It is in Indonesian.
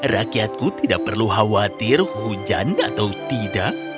rakyatku tidak perlu khawatir hujan atau tidak